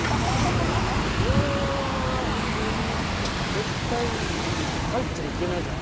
絶対入っちゃいけないじゃん。